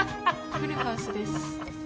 ・フルハウスです。